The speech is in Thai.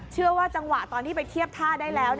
เชื่อว่าจังหวะตอนที่ไปเทียบท่าได้แล้ว